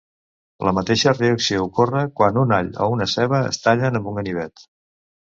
La mateixa reacció ocorre quan un all o una ceba es tallen amb un ganivet.